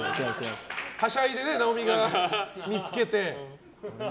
はしゃいでな、直美が見つけて。